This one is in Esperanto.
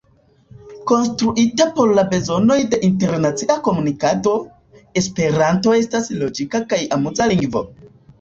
Konstruita por la bezonoj de internacia komunikado, esperanto estas logika kaj amuza lingvo.